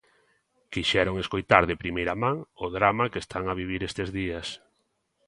Quixeron escoitar de primeira man o drama que están a vivir estes días.